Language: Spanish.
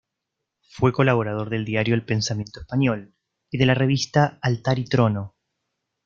Fue colaborador del diario "El Pensamiento Español" y de la revista "Altar y Trono".